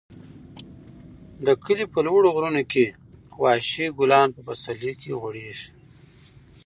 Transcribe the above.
د کلي په لوړو غرونو کې وحشي ګلان په پسرلي کې غوړېږي.